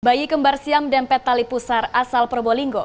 bayi kembar siam dempet tali pusar asal probolinggo